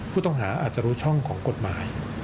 ผู้ต้องหาอาจจะรู้ช่องของกฎหมาย